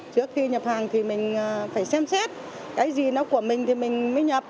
trước khi nhập hàng thì mình phải xem xét cái gì nó của mình thì mình mới nhập